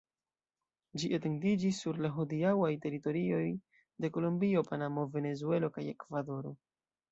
Ĝi etendiĝis sur la hodiaŭaj teritorioj de Kolombio, Panamo, Venezuelo kaj Ekvadoro.